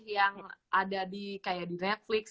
yang ada di netflix